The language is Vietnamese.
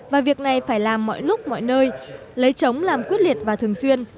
và việc này phải làm mọi lúc mọi nơi lấy trống làm quyết liệt và thường xuyên